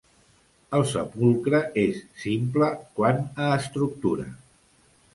El sepulcre és simple quant a estructura.